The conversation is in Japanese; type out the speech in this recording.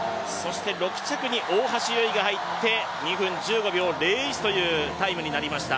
６着に大橋悠依が入って２分１５秒０１というタイムになりました。